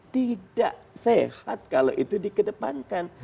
tidak sehat kalau itu dikedepankan